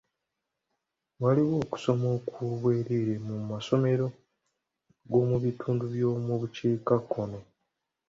Waaliwo okusoma okw'obwereere mu masomero g'omu bitundu by'omu bukiikakkono.